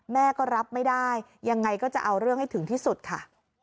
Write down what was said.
แม่ก็รับไม่ได้ยังไงก็จะเอาเรื่องให้ถึงที่สุดค่ะ